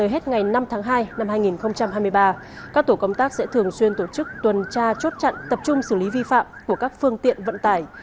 hết ngày năm tháng hai năm hai nghìn hai mươi ba các tổ công tác sẽ thường xuyên tổ chức tuần tra chốt chặn tập trung xử lý vi phạm của các phương tiện vận tải